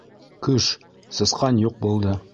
«Көш!» - сысҡан юҡ булды.